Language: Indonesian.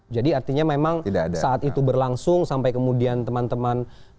jadi artinya memang saat itu berlangsung sampai kemudian teman teman